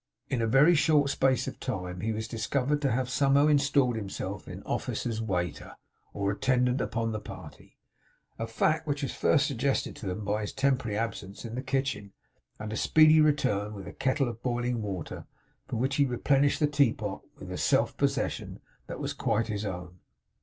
In a very short space of time he was discovered to have somehow installed himself in office as waiter, or attendant upon the party; a fact which was first suggested to them by his temporary absence in the kitchen, and speedy return with a kettle of boiling water, from which he replenished the tea pot with a self possession that was quite his own.